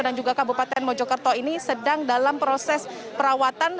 dan juga kabupaten mojokerto ini sedang dalam proses perawatan